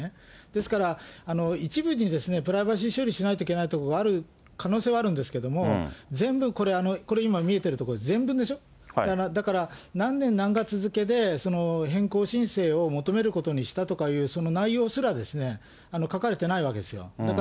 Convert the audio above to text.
ですから、一部にプライバシー処理しなきゃいけないところがある可能性はあるんですけれども、全部、これ、今、見えているところ、ぜん文でしょ、だから何年何月付けで変更申請を求めることにしたとかいうその内容すら、書かれてないわけですよ。